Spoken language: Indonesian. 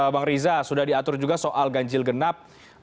bang riza sudah diatur juga soal ganjil genap